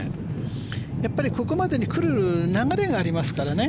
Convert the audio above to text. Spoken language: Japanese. ここまでに来る流れがありますからね。